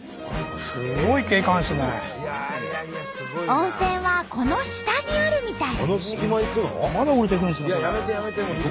温泉はこの下にあるみたい。